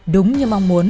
đúng như mong muốn